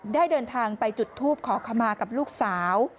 ได้เดินทางไปจุดทูปขอขมากับลูกสาว